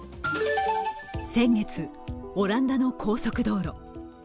先月、オランダの高速道路。